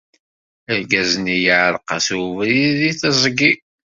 Argaz-nni yeɛreq-as ubrid deg teẓgi.